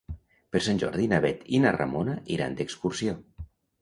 Per Sant Jordi na Bet i na Ramona iran d'excursió.